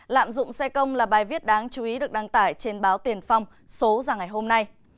lạm dụng xe công là bài viết đáng chú ý được đăng tải trên báo tiền phong số ra ngày hôm nay